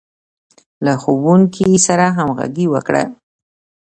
له ښوونکي سره همغږي وکړه.